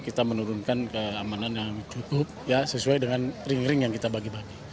kita menurunkan keamanan yang cukup sesuai dengan ring ring yang kita bagi bagi